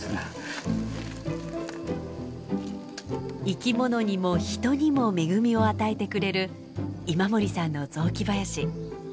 生き物にも人にも恵みを与えてくれる今森さんの雑木林。